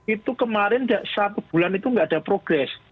itu kemarin satu bulan itu nggak ada progres